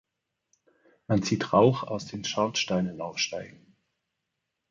Man sieht Rauch aus den Schornsteinen aufsteigen.